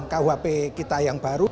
kuhp kita yang baru